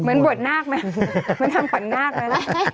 เหมือนบัวนาคม่ะนางตอนนาคม่ะ